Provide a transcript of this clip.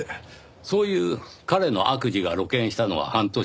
そういう彼の悪事が露見したのは半年前。